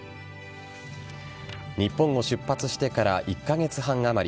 日本を出発してから１カ月半あまり。